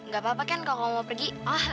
gak apa apa kan kalau kamu mau pergi